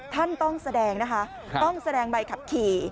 ท่านต้องแสดงนะคะต้องแสดงใบขับขี่